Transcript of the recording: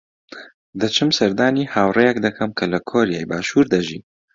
دەچم سەردانی هاوڕێیەک دەکەم کە لە کۆریای باشوور دەژی.